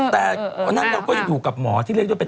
แต่วันนั้นเราก็จะอยู่กับหมอที่เรียกด้วยเป็น